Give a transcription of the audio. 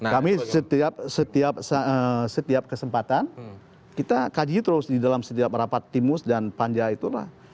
kami setiap kesempatan kita kaji terus di dalam setiap rapat timus dan panja itulah